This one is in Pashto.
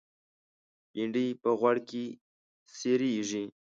بېنډۍ په غوړ کې سرېږي